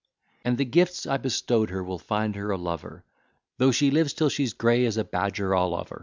And the gifts I bestow'd her will find her a lover Though she lives till she's grey as a badger all over.